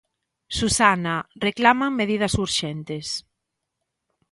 Susana, reclaman medidas urxentes...